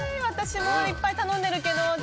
私もいっぱい頼んでるけど。